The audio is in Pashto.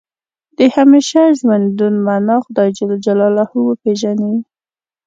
د همیشه ژوندون معنا خدای جل جلاله وپېژني.